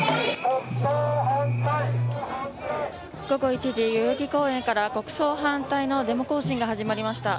午後１時代々木公園から、国葬反対のデモ行進が始まりました。